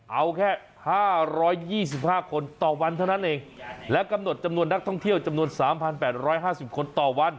เอาแค่๕๒๕คนต่อวันเท่านั้นเองและกำหนดจำนวนนักท่องเที่ยวจำนวน๓๘๕๐คนต่อวัน